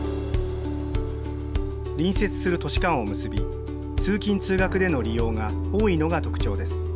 隣接する都市間を結び、通勤・通学での利用が多いのが特徴です。